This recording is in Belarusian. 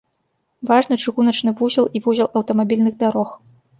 Важны чыгуначны вузел і вузел аўтамабільных дарог.